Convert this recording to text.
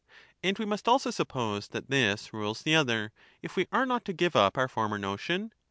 And we must also suppose that this rules the other, if 305 we are not to give up our former notion